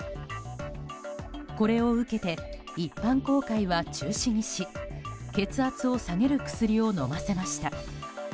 これを受けて一般公開は中止にし血圧を下げる薬を飲ませました。